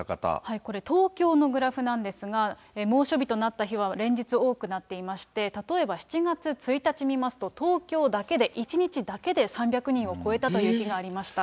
これ、東京のグラフなんですが、猛暑日となった日は連日多くなっていまして、例えば７月１日見ますと、東京だけで、１日だけで３００人を超えたという日がありました。